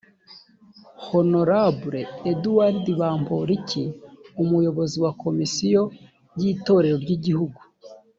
honorable edouard bamporiki umuyobozi wa komisiyo y itorero ry igihugu